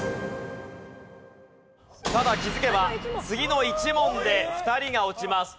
ただ気づけば次の１問で２人が落ちます。